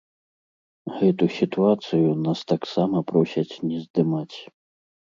Гэту сітуацыю нас таксама просяць не здымаць.